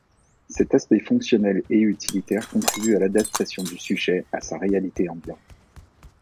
Cet aspect fonctionnel et utilitaire contribue à l'adaptation du sujet à sa réalité ambiante.